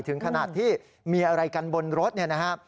ถึงขนาดที่มีอะไรกันบนรถเนี่ยนะครับ